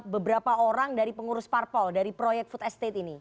beberapa orang dari pengurus parpol dari proyek food estate ini